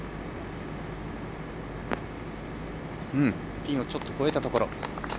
ピンをちょっと越えたところ。